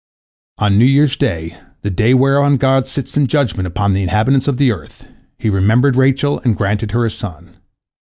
On New Year's Day, the day whereon God sits in judgment upon the inhabitants of the earth, He remembered Rachel, and granted her a son.